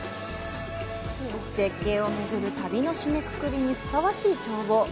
絶景をめぐる旅の締めくくりにふさわしい眺望。